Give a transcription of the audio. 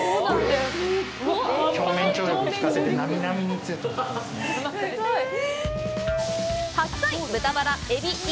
すごい。